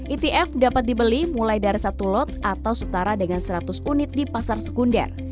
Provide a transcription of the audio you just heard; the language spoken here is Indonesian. etf dapat dibeli mulai dari satu lot atau setara dengan seratus unit di pasar sekunder